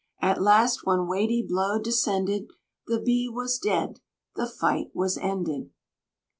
At last one weighty blow descended: The Bee was dead the fight was ended.